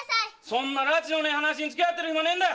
そんな埒のねえ話につき合ってる暇ねえんだ！